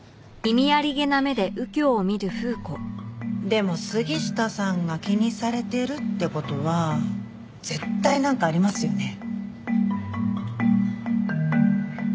でも杉下さんが気にされているって事は絶対なんかありますよね。